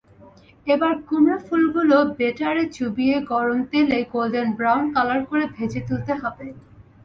এবার কুমড়া ফুলগুলো বেটারে চুবিয়ে গরম তেলে গোল্ডেন ব্রাউন কালার করে ভেজে তুলতে হবে।